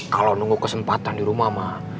kalau nunggu kesempatan di rumah mah